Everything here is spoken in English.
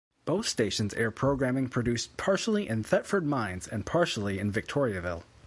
Both stations air programming produced partially in Thetford Mines and partially in Victoriaville.